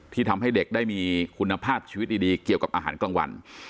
ทำให้เด็กได้มีคุณภาพชีวิตดีเกี่ยวกับอาหารกลางวัน